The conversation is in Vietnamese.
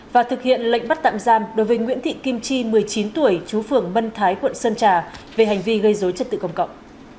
và thực hiện lệnh bắt tạm giam đối với nguyễn thị kim chi một mươi chín tuổi chú phường mân thái quận sơn trà về hành vi gây dối trật tự công cộng